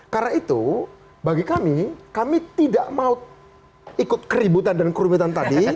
karena itu bagi kami kami tidak mau ikut keributan dan kerumitan tadi